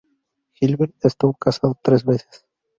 Gilbert estuvo casado tres veces.